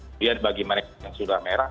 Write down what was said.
kemudian bagi mereka yang sudah merah